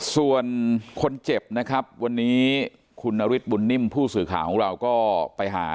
ส่วนคนเจ็บนะครับคุณนาริชบุญนิ่มผู้สื่อขาวของเราก็ไปหา